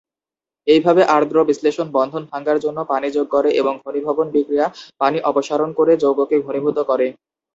এইভাবে আর্দ্র বিশ্লেষণ, বন্ধন ভাঙার জন্য পানি যোগ করে এবং ঘনীভবন বিক্রিয়া পানি অপসারণ করে যৌগকে ঘনীভূত করে।